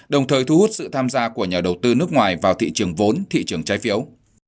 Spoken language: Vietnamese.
đồng thời thu hút sự tham gia của nhà đầu tư nước ngoài vào thị trường vốn thị trường trái phiếu